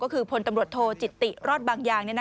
ก็คือพลตำรวจโทจิตติรอดบางอย่าง